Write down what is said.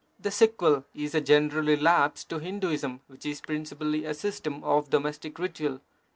The sequel is a general relapse to Hinduism, which is princi pally a system of domestic ritual.